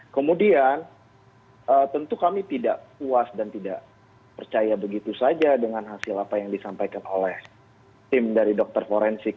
kemudian tentu kami tidak puas dan tidak percaya begitu saja dengan hasil apa yang disampaikan oleh tim dari dokter forensik